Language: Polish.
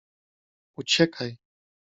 Uciekaj.